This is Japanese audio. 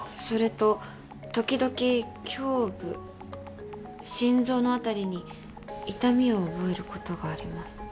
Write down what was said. それと時々胸部心臓の辺りに痛みを覚えることがあります。